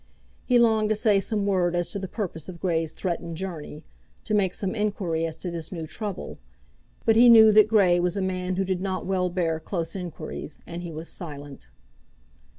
He longed to say some word as to the purpose of Grey's threatened journey; to make some inquiry as to this new trouble; but he knew that Grey was a man who did not well bear close inquiries, and he was silent.